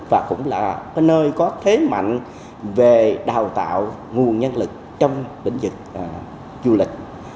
và cũng là nơi có thế mạnh về đào tạo nguồn nhân lực trong lĩnh vực